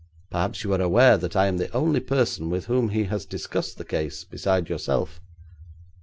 Perhaps you are aware that I am the only person with whom he has discussed the case beside yourself.'